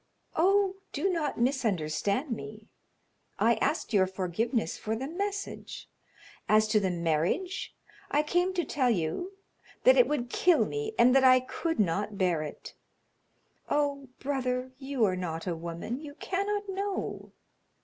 "Oh! do not misunderstand me; I asked your forgiveness for the message; as to the marriage, I came to tell you that it would kill me and that I could not bear it. Oh! brother, you are not a woman you cannot know."